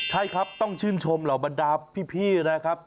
ใช่ครับต้องชื่นชมเหล่าบรรดาพี่นะครับ